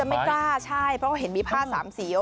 ไม่กล้าใช่เพราะว่าเห็นวิภาพสามสี่